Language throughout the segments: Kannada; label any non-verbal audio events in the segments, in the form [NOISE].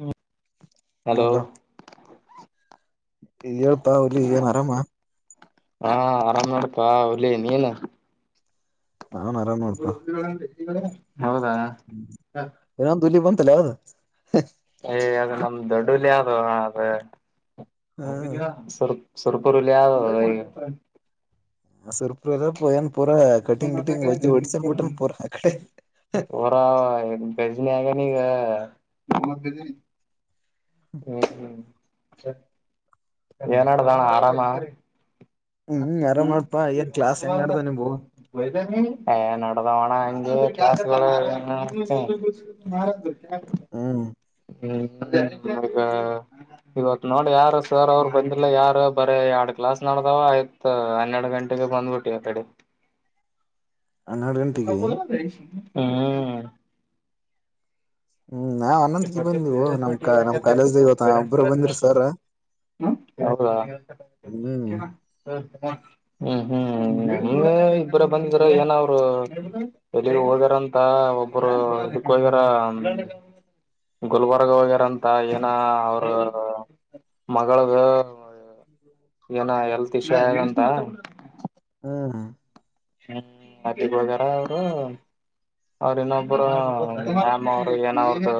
ಹ್ಮ ಹಲೋ. ಹೇಳ್ತಾ ಒಲ್ಲಿ ಏನ್ ಆರಾಮ. ಹಾ ಆರಾಮ್ ಮಾಡಪಾ ಒಲಿ ನೀಲ್ಲ. ನಾನ್ ಆರಾಮ್ ನೋಡ್ತ. [UNINTELLIGIBLE] ಇನ್ನಂದು ೂಲಿ ಬಂತಲ್ಲ ಹೌದು. ಏ ಅದ ನಮ್ದ ದೊಡ್ಡಲಿ ಅದು ಅದೆ. ಸರ್ ಸರಪುರುಲಾವ. ಆ ಸುರ್ಪರ ಎಲ್ಲೋಯನ್. ಪೂರ ಕಟಿಂಗ ಕಟಿಂಗ ಒ ಒಚನ್ ಬಟ್ಟನ್ ಪೂರ ಅ ಕಡೆ. ಗ ನೀಗ. ಹ್ಮ್ ಹ್ಮ್. ಏನಡುದಾನ ಆರಾಮ. ಹ್ಮ್ ಆರಾಮ್ ನೋಡ್ಪಾ ಏನ್ ಕ್ಲಾಸ್ ಹೆಂಗ್ ನಡ್ದ ನಿಂಬು ಹ್ಮ ನ. [UNINTELLIGIBLE] ಹ್ಮ್ ಹ್ಮ್ ಈಗ ಇವತ್ತು ನೋಡ ಯಾರು ಸರ್ ಅವ್ರು ಬಂದಿಲ್ಲ ಯಾರ ಬರ. ಎರಡ್ ಕ್ಲಾಸ್ ನಡ್ದಾವ ಆಯ್ತ್ ಹನ್ನೆರಡು ಗಂಟೆಗೆ ಬಂದ್ಬಿಟ್ಟಿ ರೆಡಿ. ಹನ್ನೆರಡು ಗಂಟೆಗೆ ಹಾ. ಹ್ಮ್ ನಾವ್ ಬಿ ಹನ್ನೊಂದಕ್ಕೆ ಬಂದವು ನಮ್ ಕ ಮಾಡಕ ನಮ್ ಕಾಲೇಜ್ದ ಇವತ್ತ ಒಬ್ಬ್ರ ಪ ಬಂದ್ರ ಬಷ್ಟ ಸರ್ ಹೌದಾ ಹ್ಮ್ ಹ್ಮ್ ಹ್ಮ್ ಇಬ್ಬರ ಬಂದ ಏನ ಅವರು ಎಲ್ಲಿಗ ಹೋಗ್ಯಾರಂತ ಒಬ್ಬರು ಇದಕ್ಕ ಹೋಗ್ಯಾರ ಗುಲ್ಬರ್ಗ ವಗರಂತ ನ ಅವರು ಮಗಳಗ ಏನ ಎಲ್ತಿ ಶಂತ ಹ್ಮ್ ಹ್ಮ್ ಅಲ್ಲಿ ಹೋಗಾರ ಅವರು ಅವ್ರ ಇನ್ನೊಬ್ಬರು ನಾಮ ಅವರು ಏನ ಅವ್ರ್ದ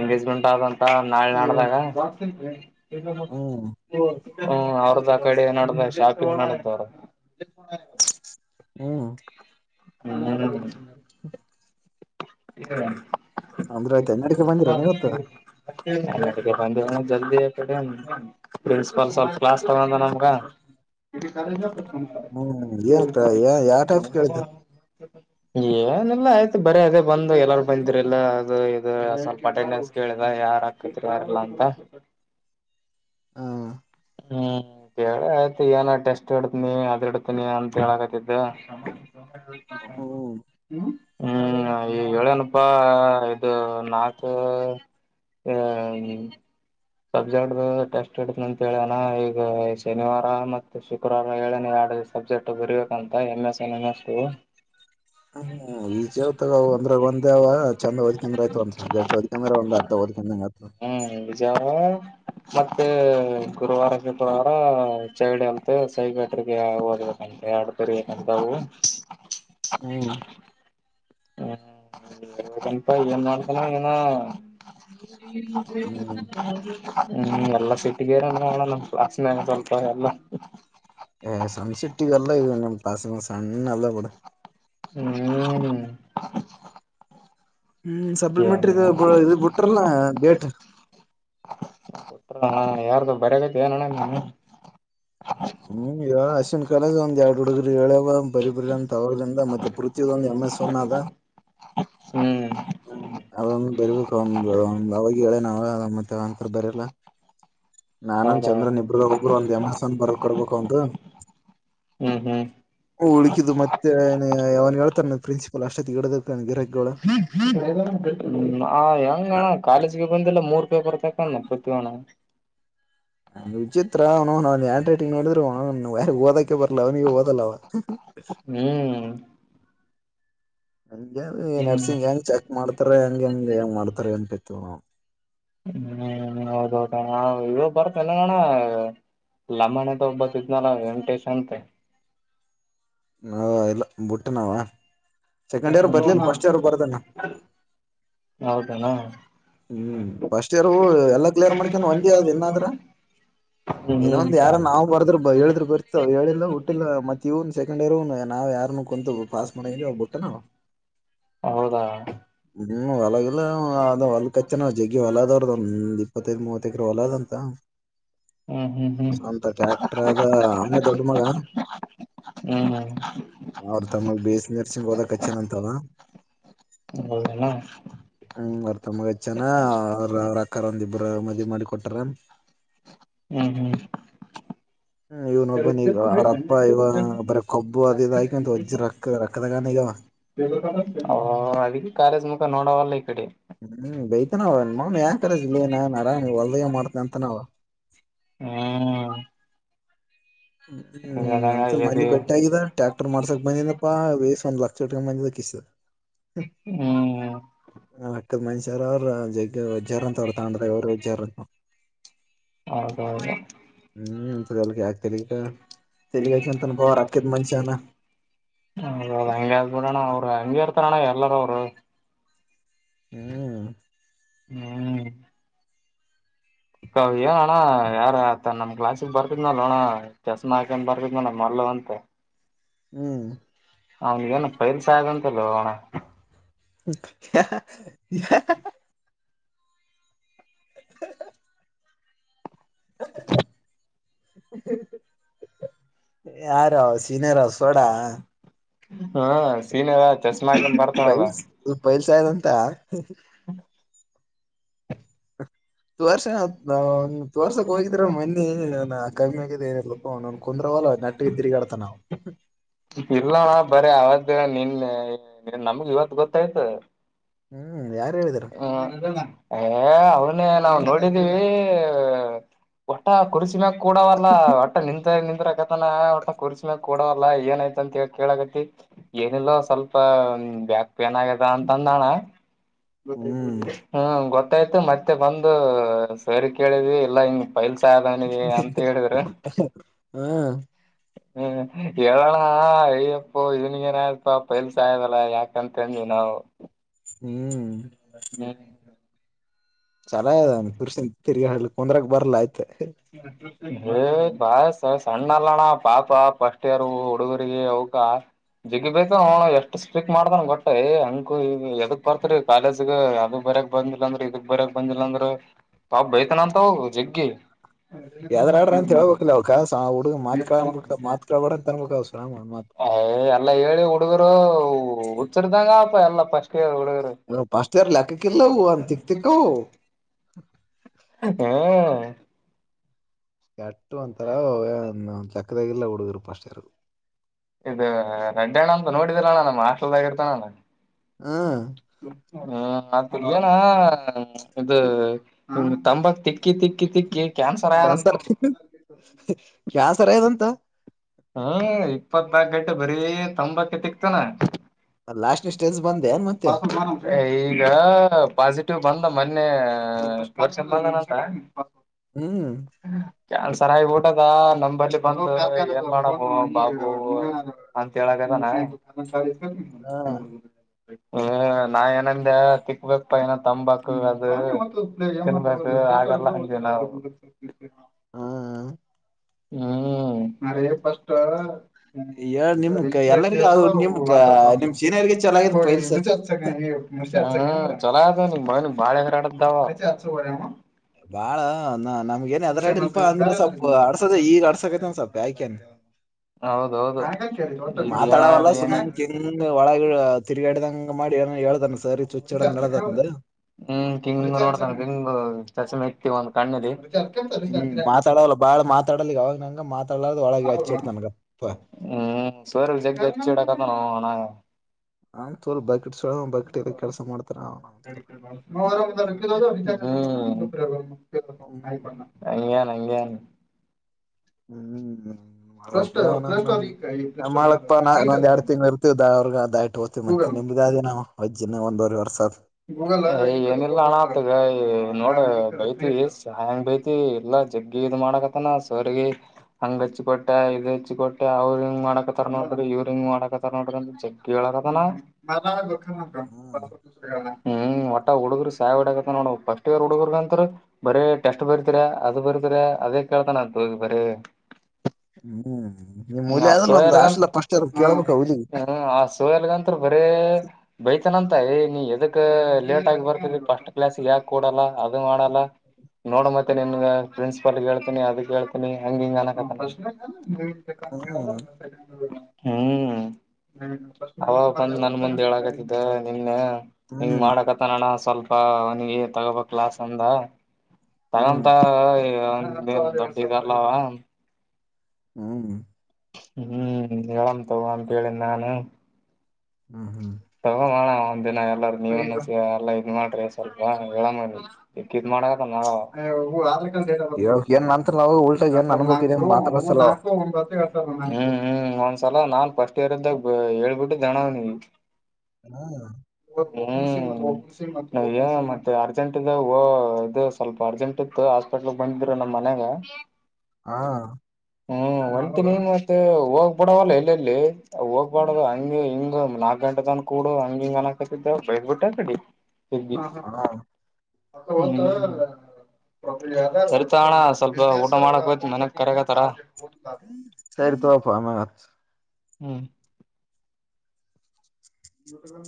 ಎಂಗೇಜ್ಮೆಂಟ್ ಆದಂತ ನಾಳೆ ನಡ್ದಾಗ ಹ್ಮ್ ಹ್ಮ್ ಅವ್ರದ ಕಡೆ ನಡ್ದ ಶಾಪಿಂಗ್ ಮಾಡತವ್ರ [INAUDIBLE] ಅ [UNINTELLIGIBLE] [INAUDIBLE] ಹನ್ನೆರಡಕ್ಕೆ ಬ ಬಂದಿರ ಇವತ್ತು ಜಲ್ದಿಕಡೆ ಪ್ರಿನ್ಸಿಪಾ ಸ್ವಲ್ಪ ಕ್ಲಾಸ್ ತಗೊಂಡ ನಮ್ಗ ಹ್ಮ್ ಏನ್ ಯಾವ ಟೈಪ್ ಕೇಳಿದ್ದ ಸ [UNINTELLIGIBLE] ಏನೆಲ್ಲ ಆಯ್ತು ಬರೀ ಅದೇ ಬಂದು ಎಲ್ಲಾರು ಬಂದ್ರ ಇಲ್ಲ ಅದು ಇದು ಸ್ವಲ್ಪ ಅಟೆಂಡನ್ಸ್ ಕೇಳಿಲ್ಲ ಯಾರ ಹಾಕತ್ರಿ ಯಾರೆಲ್ಲ ಅಂತ ಹ್ಮ್ ಹ್ಮ್ ಕೇಳ ಆಯ್ತು ಏನ ಟೆಸ್ಟ್ ಇಡ್ತನಿ ಅದ್ ಇಡತನಿ ಅಂತ ಹೇಳಕತಿದ್ದ ಹ್ಮ್ ಹ್ಮ್ ಈ ಹೇಳ ಅಪ್ಪ ಇದು ನಕ ಹ ಸಬ್ಜೆಕ್ಟ್ ಧೋ ಟೆಸ್ಟ್ ಕೇಳೋಣ ಈಗ ಶನಿವಾರ ಮತ್ತು ಶುಕ್ರವಾರ ಏಳನೇ ಎರಡ ಸಬ್ಜೆಕ್ಟ್ ಬರಬೇಕಂತ ಎಮ್ ಎಸ್ [UNINTELLIGIBLE] ನಷ್ಟು [UNINTELLIGIBLE] ಹ್ಮ್ ಈಜವತ ಒಂದ್ರಗ್ ಒಂದೇವ ಚಂದ್ ಹೊದ್ಕಂದ್ರ ಆಯ್ತು ಒಂದ್ ಜಟ್ ಹೊದಕಂದ್ರೆ ಒಂದ್ ಅರ್ಧದ [UNINTELLIGIBLE] ಕತ್ತ ಹ್ಮ್ ಜಾವ ಮತ್ತೆ ಗುರುವಾರ ಶುಕ್ರವಾರ ಚೌಡಿ ಅಲ್ತೆ ಸೈಗಟ್ರಿಗೆ ಓದ್ಬೇಕ ಎಡತರೆ ಎಂತವು [INAUDIBLE] ಹ [UNINTELLIGIBLE] ಹ್ಮ್ನಪ ಏನ್ ಮಾಡ್ತಾನ ಏನ ಹ್ಮ ಹ್ಮ್ ಎಲ್ಲಾ ಸಿಟಗೇರೆ ಹೇಳ ನಮ್ ಕ್ಲಾಸ್ ಮೇ ಸ್ವಲ್ಪ ಎಲ್ಲ ಸಣ್ಸೆಟ್ಟಿಗೆ ಎಲ್ಲ ಇದೆ ನಿಮ ಪಾಸ ಸಣ್ಣ ಎಲ್ಲ ಬಡ ಹ್ಮ್ ಹ್ಮ್ [INAUDIBLE] ಸಪ್ಲಿಮೆಂಟ್ರಿ ಇದು ಇದು ಬಿಟ್ರಲ್ಲ ಡೇಟ್ ಯಾರ್ದು ಬರಗತ ಏನಣ್ಣ ನೀ ಹ್ಮ್ ಇವ ಅ್ನ ಕಾಲೇಜ ಒಂದ್ ಎರಡ್ ಹುಡುಗರು ಹೇಳ್ಯವ ಬರಿೀ ಬರಿ ಅಂತ ತಗದ್ರಿಂದ ಮತ್ತೆ ಪೃಥ್ವಿದ ಒಂದ್ ಎಂ ಎಸ್ ಒನ್ ಅದ ಹ ಹ್ಮ್ ಅದ ಬರ್ಬೇಕು ಒ ಅವಾಗ ಹೇಳೇ ನಾವ ಮತ್ತೆಂತರ ಬರಲ್ಲ ನಾನನ್ ಚಂದ್ರನ್ ಹೌದೌದು ಇಬ್ರಾಗ ಒಬ್ಬರು ಒಂದ್ ಎಮೆಸಾನ್ ಬರದ ಕೊಡ್ಬೇಕ ಅವಂ ಹ ಹ್ಮ್ ಹ್ಮ್ ಉಳಕಿದ್ದು ಮತ್ತೆ ಯ ಅವನ್ ಹೇಳ್ತಾನ ಪ್ರಿನ್ಸಿಪಲ್ ಅಷ್ಟೊತ್ತ ಗಿಡದನ್ ಗಿರ ಹೆಂಗಣ ಕಾಲೇಜ್ಗೆ ಬಂದಲ್ಲ ಮೂರ್ ಪರತಂದ ಪತಣ ನಂಗ ವಿಚಿತ್ರ ಅವನು ನ ಹಂಡ್ ರೈಟಿಂಗ್ ನೋಿದ್ರೆ ಅವ ಓದಕಕ್ಕೆ ಬರ್ಲ್ಲ ಅವನಿಗೆ ಓದಲ್ಲ ಅವ ಹ್ಮ್ ಹಂಗೆ ಅ ಈ ಹ್ಮ್ ನರ್ಸಿಂಗ್ ಹೆಂಗ ಚೆಕ್ ಮಾಡ್ತಾರ ಹೆಂಗ ಹೆಂಗ್ ಹೆಂಗ್ ಮಾಡ್ತಾರ ಅಂತಿತ್ತು ಹ್ಮ್ ಹೌದೌಟಾ ನಾ ಇೋ ಬರತಲ್ಲ ನಾನ ಲಮ್ಮಣೆ ಅಂತ ಒಬ್ಬ ಇದ್ನಲ್ಲ ವೆಂಕಟೇಶ್ ಅಂತ ನಾವ ಇಲ್ಲ ಬುಟ್ಟ ನಾವ ಛೆಕೆಂಡ್ ಇಯರ್ ಬರ್ಲಿಲ್ಲ ಫಸ್ಟ್ ಇಯರ್ ಬರ್ದನ. ಹೌದನ. ಹ್ಮ ಫಸ್ಟ್ ಇಯರ್ ಎಲ್ಲಾ ಕ್ಲಿಯರ್ ಮಾಡ್ಕೊಂಡ ಹೊಂಟಿ ಅದ ಇನ್ನಾದ್ರ ಹ್ಮ್ ಹ್ಮ್ ಇನ್ನೊಂದ ಯಾರ ನಾವು ಬರ್ದ್ರರು ಹೇಳಿದ್ರರು ಬರ್ತವ ಹೇಳಿಲ್ಲ ಹುಟ್ಟಿಲ್ಲ ಮತ್ತ ಇವನ್ ಸೆಕೆಂಡ್ ಇಯರ್ ಏ ನಾವ ಯಾರನ್ನು ಕುಂತ ಪಾಸ್ ಮಾಡಗಿಲಾ ಬಿಟ್ಟಿವ ನಾವು ಹೌದಾ. ಹ್ಮ ಹೊಲಗಲ್ಲ ಅದ ಹೊಲ ಕಚ್ಚನ ಜಗ್ಗಿ ಹೊಲದವ್ರದ ಒಂದ್ ಇಪ್ಪತ್ತೈದ್ ಮೂವತ್ತ ಎಕ್ರ ಹೊಲದಂತ. ಹ್ಮ್ ಹ್ಮ್ ಹ್ಮ್ ಸ್ವಂತ ಟ್ಯಾಕ್ಟರ್ ಅದ ಅವನೇ ದೊಡ್ಡ ಮಗ. ಹ್ಮ್ ಅವ್ರ ತಮ್ಮ ಬಿ ಎಸ್ ನರ್ಸಿಂಗ್ ಓದಕ ಹಚ್ಚನ ಆವಾ ಹೌದನ. ಹ್ಮ ಅವರ್ ತಮ್ಮಗಚ್ಚನ ಅವ ಅವ್ರ ಅಕ್ಕ ಒಂದಿಬ್ಬರ ಮದ್ವಿ ಮಾಡಿ ಕೊಟಾರ. ಹ್ಮ ಹ್ಮ. [UNINTELLIGIBLE] [UNINTELLIGIBLE] ಹ್ಮ್ ಇವ್ನೊಬ್ಬನ್ ಈಗ ಅವ್ರ ಅಪ್ಪ ಇವ ಬರ ಕೊಬ್ಬು ಅದ ಇದ ಹಾಕಂತ ವಜ್ಜಿ ರೊಕ್ಕ ರೊಕ್ಕದಾಗನ ಈಗವ ಆ ಅದಕ್ಕೆ ಕಾಲೇಜ್ ಮುಖ ನೋಡವಲ್ಲ. ಕಡೆ ಹ್ಮ ಬೈತನಾವ ಮಾ ಯಾ ಕಾಲೇಜ್ ಲೇ ಇಲ್ಲಿ ನಾನ್ ಆರಾಮ ಹೊಲ್ದ ಮಾಡ್ತೇ ಅಂತನವ. ಹ್ಮ. ಹ್ಮ ಅಂತ ಮನ್ನಿ ಬೆಟ್ಟ ಆಗಿದ ಟ್ಯಾಕ್ಟರ್ ಮಾಡ್ಸಾಕ ಬಂದನಪ್ಪಾ ಬೇಯಸ್ ಒಂದ ಲಕ್ಷ ಇಟ್ಟ ಕೊಟ್ಟ ಮಂದದ ಕಸಿ ಹ್ಮ. ನಾ ಹಕ್ಕ ಮನುಷ್ಯಾರ ಅವ್ರ ಜಗ್ಜರ್ ಅಂತ ಅವ್ರ ತಾಂಡ ಅವರುಜ್ಜಾರ ಅಂತ. ಹೌದೌದ. ಹ್ಮ್ ಯಾಕ ತೆಗ ತೆಲೀಗಕಂತನ ಬ ಅಕ್ಕದ ಮನ್ಷಾನ ಹೌದು ಹಗೆ ಆದ್ಬಿಡಣ್ಣ ಅವರು ಹಂಗ ಇರ್ತಾರಣ್ಣ ಎಲ್ಲಾರ ಅವ್ರು ಹ್ಮ. ಹ್ಮ. ಕ ಏನ ಅಣ್ಣ ಯಾರ ಆ ನಮ್ ಕ್ಲಾಸಿಗ ಬರ್ತ್ನಲ ಅಣ್ಣ ಚಸ್ಮಾ ಹಾಕನ್ ಬರ್ತಿದ್ನಣ. ಮಲ್ಲವಂತ ಹ್ಮ್ ಅವನಿಗೇನು ಪೈಲ್ಸ ಆಗಂತ. ಲ್ಲೋ ಅನ [UNINTELLIGIBLE] [INAUDIBLE] ಯಾರು ಸೀನರ ಸೋಡ ಹಾ ಸೀನರ ಚೆಸ್ಮಾ ಹಾಕೊಂಡ ಬರ್ತಾನಲ್ಲ. ಷಂತ [UNINTELLIGIBLE] ತೋರ್ಸಕ ಹೋಗಿದ್ರ ಮೊನ್ನಿ ನ ಕಮ್ಮಿ ಆಗಿದ ಏನಿದಲ್ ಕುಂದ್ರವಲ್ಲ ನೆಟ್ಟಗ ತಿರುಗಾಡ್ತ ಆವಾ ಇರ್ಲಣ ಬರೀ ಅವತ್ ನಿನ್ನ ನಮಗ ಇವತ ಗೊತ್ತಾಯ್ತ. ಹ್ಮ್ ಯಾರು ಹೇಳಿದಾರ ಏ ಅವನ್ನೇ ನಾವ ನೋಡಿದ್ದೀವಿ. ಒಟ್ಟ ಕುರ್ಸಿ ಮ್ಯಾಗ ಕೂಡವಲ್ಲ ಒಟ್ಟ ನಿಂತ ನಿಂದ್ರಕತಾನ ಒಟ ಕುರ್ಸಿ ಮ್ಯಾಗ ಕೂಡವಲ್ಲಾ ಏನಯ್ ಅಂತ ಕೇಳಕತಿ ಏನಿಲ್ಲ ಸ್ವಲ್ಪ ಬ್ಯಾಕ್ ಪೇನ್ ಆಗ್ಯದ ಅಂತಂದಳ ಹ್ಮ್ ಹ್ಮ ಗೊತ್ತಾಯ್ತ ಮತ್ತೆ ಬಂದು ಸರಿ ಕೇಳಿವಿ ಇಲ್ಲಾ ಹಿಂಗ ಪೈಲ್ಸ ವನಿಗ ಅಂತ ಹೇಳಿದ್ರ. ಹಾ ಹ್ಮ ಹೇಳಣ ಅಯ್ಯಪ್ಪೋ ಇವನಿಗ ಏನಾಯ್ತ ಪೈಲ್ಸ ಆಯದಲ್ಲ ಯಕಂತ ಹೆಂಗ ನಾವ ಹ್ಮ. ಹ [INAUDIBLE] ಚಲ ಇದರ್ಸನ್ ತಿರ್ಗಿ ಹಡ್ ಕುಂದ್ರಕ ಬರ್ಲ್ಲ ಆಯ್ತ. ಸಣ್ಣ ಅಲ್ಲಣ್ಣ ಪಾಪ ಫಸ್ಟ್ ಇರ್ ಹುಡುಗರಿಗೆ ಅವಕ ಜಿಗಿ ಬೇಕು ಅವ ಎಷ್ಟ್ ಸ್ಟ್ರಿಕ್ ಮಾಡ್ದನ್ ಗಟ್ಟೈ ಹಂಗ ಈ ಎದಕ್ ಬರ್ತ್ರಿ ಕಾಲೇಜಗ ಅದಕ್ ಬರಕ್ ಬಂದಿಲ್ಲ ಅಂದ್ರೆ ಇದಕ್ ಬರಕ್ ಬಂದಿಲ್ಲ ಅಂದ್ರ ಪಾಪ ಬೈತಾನ ಅಂತವು ಜಗ್ಗಿ ಯ್ದ್ರ ಆಡ್ರ ಅಂತ ಹೇಳ್ಬೇಕಕ್ಲ್ಲ ಅವ್ಕಾ ಹುಡುಗ ಮಾತ್ ಕಡ ಮಾತ್ಬಡಂತ ಅನ್ಬೇಕ ಅವಸ ಅಯ ಅಲ್ಲ ಹೇಳಿ ಹುಡುಗರು ಹುಚ್ಚಿಡಿದವಪ್ಪ ಯಲ್ಲ ಫಸ್ಟ್ ಇಯರ್ ಹಡುಗರು ಫಸ್ಟ್ ಇಯರ್ ಲೆಕ್ಕಕ್ಕಿಲ್ಲ ಅವು ಅಂತ ತಿಕ್ ತಿಕ್ಕವು ಹಾ ಕಟ್ಟ ಒಂತರ [UNINTELLIGIBLE] ಹಡುಗರು ಪಸ್ರ್ ಇದು ರೆಡ್ ಅಣ್ಣ ಅಂತ ನೋಡಿದರ ಅಣ್ಣ ನಮ್ಮ್ ಆಸ್ಟಲ್ದಾಗಿರ್ತಾನ ಅಲ್ಲ ಹ್ಮ ಹ್ಮ್ ಏನ ಇದು ತಂಬಾಕ್ ತಿಕ್ಕಿ ತಿಕ್ಕಿ ತಿಕ್ಕಿ ಕ್ಯಾನ್ಸರ್ ಆಯ ಕ್ಯಾನ್ಸಲ್ ಆಗಿದೆ ಅಂತ ಹ್ಮ್ ಇಪ್ಪತ್ನಾಕ ಗಂಟೆ ಬರೀ ತಂಬಾಕ ತಿಕ್ತಾನ ಅಲ್ಲ ಈಗ ಪಾಸಿಟಿವ್ ಬಂದ ಮೊನ್ನೆ ವರ್ಷ [UNINTELLIGIBLE] ಹ್ಮ್ ಕನ್ಸರ್ ಆಗ್ಬಿಟ್ಟರಾ ನಂಬಲ್ಲಿ ಬಂದು ಹ ಬಾಬೂ ಅಂತಳಾಗಲ್ಲ ನ ಹಾ ಹ್ಮ ನಾ ಏನಂದೆ ತಿಕ್ಬೇಕಕ್ ಪ ಏನ ತಂಬಬು ಅದು ತಿನ್ಬೇಕು ಆಲ್ಲ ಹ ಹ್ಮ ಹ ಹ್ಮ್ ಹೇಳ ನಿಮ್ ಎಲ್ಲರಿಗ ಅದು ನಿಮ್ ನಿಮ್ ಸೀನಿಯರ್ಗೆ [UNINTELLIGIBLE] ಚಲಾಗಿದೆ ಪೈಲ್ಸ್ [UNINTELLIGIBLE] ಬಾಳ ನ ನಮ್ಗ ಏನ್ ಅದ್ರ ಆಡಿ ಇಲ್ಪ ಅಂದ್ರೆ ಸ್ವಲ್ಪ ಅಡ್ಸದ ಈಗ ಅಡ್ಸಕೇಂದ ಸ್ಲ್ಪ ಯಾಕೇನ್ ಹೌದು ಮಾತಾಡವಲ್ಲ ಸುಮ್ ಕಿಂಗ್ ಹ ಒಳಗ ತಿರ್ಗಾಡಿದಂಗ ಮಾಡಿ ಹೌದು ಏನ ಹೇಳ್ದನ್ ಸರಿ ಚುಚ್ಚಿಡ ನಡದತ್ಂದ ಹ್ಮ್ ಕಿಂಗ್ ನೋಡ್ತ ಕಿಂಗ್ ಚಚಮ ಒಂದು ಕಣ್ಣಲ್ಲಿ ಹ್ಮ್ ಮಾತಾಡವಲ್ಲ ಬಾಳ ಮಾತಾಡಲ್ಲ ಈಗ ಅವಾಗ ನಂಗ ಮಾತಾಡಲಾರ್ದ ಒಳಗೆ ಹಚ್ಚಿಡ್ ನನ್ಗ ಹ್ಮ್ ಸೋರಲ್ ಜೆಡಕತಾನ ಹಣಾ ಹ ಚೋಲ್ ಬಕಟ್ ಸ ಬಕೆಟ್ ಕೆಲಸ ಮಾಡ್ತಾರ ಹ್ಮ್ [INAUDIBLE] ನಗೆನು ಹ್ಮ್ [UNINTELLIGIBLE] ಎರಡ್ ತಿಂಗ್ಳ ಇರ್ತವಿ ಅವ್ರಗ ಅದ ಆ ಇಟ್ ಹಓ್ತವಿ ಮತ್ತ ಒಮಗ ಅ ನಾವು ವಜ್ಜನ ಒಂದವರೆ ವರ್ಷ ಏನಿಲ್ಲ ಹಣ ಆತಗ ನೋಡ ಬೈತ್ ಹೆಯಾಂಗ ಬೈತ್ ಎಲ್ಲಾ ಜಗ್ಗಿ ಹೆನ್ ಮಾಡಕತ್ತನ ಸರ್ ಗೆ ಹಂಗ್ ಹಚ್ ಕೊಟ್ಟೆ ಇದ್ ಹಚ್ಚಕೊಟ್ಟೆ ಅವ್ರ ಹಂಗ ಮಾಡಾಕತ ನೋಡ್ರಿ ಇವ್ರ ಹಿಂಗ ಮಾಡಾಕಾರ ನೋಡ್ರಿ ಅ [UNINTELLIGIBLE] ಹುಡುಗ್ರರು ಸಾವಿಡಕತ್ತ ನೋಡ ಫಸ್ಟ್ ಇಯರ್ ಹುಡುಗರ್ಗ ಅಂತ್ರ ಬರೇ ಟೆಸ್ಟ್ ಬರಿತೀರ ಅದು ಬರ್ತೀರಿ ಅದೇ ಕೇಳ್ತಾನಂತೋಬರಿ ಹ್ಮ್ ನಿಮ್ ಹುಲಿ ಅಸೋ ಅದಲ್ಲ ಒಂದ್ ಎಲ್ಲಗ ಆಷ್ಟಲ ಫಸ್ಟ್ ಹ್ಮ ಕೇಳ್ಬೇಕ ಹುಲಿ ಅಸೋ ಎಲ್ಲಗಂತ ಬರೇ ಬೈತಾನಂತ ನೀ ಎದಕ್ ಲೇಟ್ ಆಗಿ ಬರ್ತದ ಫಸ್ಟ್ ಕ್ಲಾಸ್ ಯಾಕ ಕ ಕೊಡಲ್ಲ ಅದು ಮಾಡಲ್ಲ ನೋಡ ಮತ್ತೆ ನಿನ್ ಪ್ರಿನ್ಸಿಪಲ್ ಹೇಳ್ತೀನಿ ಅದ ಕೇಳ್ತೀನಿ ಹಂಗ ಹಂಗ ಹ್ಮ್ ಹ್ಮ್ ಹ್ಮ ಅವ ಬಂದ್ ನನ್ ಮುಂದೆ ಹೇಳಕತಿದ್ದ ನಿನ್ನೆ ಹಿಂಗ್ ಹ್ಮ್ ಮಾಡಕತ್ತನಣ ಸ್ವಲ್ಪ ಅವನಿಗೆ ತೊಗೋಬಕ್ ಕ್ಲಾಸ್ ಅಂದ. ತೊಗಮ್ ಹ್ಮ್ ತೊಗೊ [UNINTELLIGIBLE] ಹ್ಮ್. ಹ್ಮ್ ಹೇಳಮ್ಮ ತಗೋ ಅಂತ ಹೇಳೀನಿ ನಾನು. ಹ್ಮ್ ಹ್ಮ್ ತಗೋಮ್ಮ ಒಂದ ದಿನ ಎಲ್ಲಾರ ನೀವೇ ಎಲ್ಲ ಇದ ಮಾಡ್ರಿ. ಇವಾಗ ಏನ್ ನಂತ್ರ ನಾವ ಉಲ್ಟಾಗ ಏನ್ ಅನ್ಬೇಕಿದೆ ಮಾತಾಡಸಲ [UNINTELLIGIBLE] ಹ್ಮ್ ಹ್ಮ್. ಸಲ ನಾನ್ ಫಸ್ಟ್ ಇಯರ್ ಇದ್ದಗ ಹೇಳ್ಬಿತಿದ್ದೆ ಅಣ್ಣ ಅವನಿಗಿ. ಹ್ಮ್ ಹ್ಮ್ [UNINTELLIGIBLE] ಇ ಅರ್ಜೆಂಟ್ ಇ ಇದ ಇದು ಸ್ವಲ್ಪ ಅರ್ಜೆಂಟ್ ಇತ್ತ ಹಾಸ್ಪಿಟ್ಲ್ ಬಂದಿದ್ರು ನಮ್ಮ್ ಮನೆಗಾ. ಹಾ, ಹ್ಮ. ಅಂತೀನಿ ಮತ್ತೆ ಹೋಗ್ಬಕಬಿಡುವಲ್ಲ ಎಲ್ಲೆಲ್ಲಿ ಹೋಗ್ಬಡದು ಹಂಗ ಹಿಂಗ. ನಾಕ್ ಗಂಟೆ ತನ್ ಕೂಡು ಹಂಗ ಹಂಗ ಅನಕತಿದ್ದ ಬೈದ ಬಿಟ್ಯಾ ಅಕ್ಡೀ ಜಗ್ಗಿ. ಹ್ಮ್. ಹಾ ಸರಿ, ಊಟ ಮಾಡಕ್ ಹೋಯ್ತಿ ಮನ್ಯಾಗ ಕರಗತಾರ ಸರಿ ತೋಗಪ ಆಮೇಲ್ ಹಚ್ಚ. ಹ್ಮ್. [INAUDIBLE]